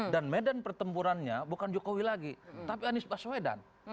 dan medan pertempurannya bukan jokowi lagi tapi anies baswedan